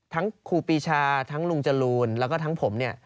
ครูปีชาทั้งลุงจรูนแล้วก็ทั้งผมเนี่ย